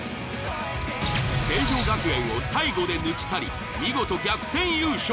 成城学園を最後で抜き去り見事逆転優勝。